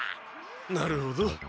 なるほど。